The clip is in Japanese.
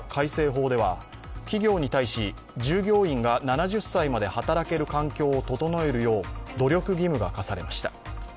法では企業に対し、従業員が７０歳まで働ける環境を整えるよう努力義務が課されました。